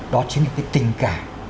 đó chính là cái tình cảm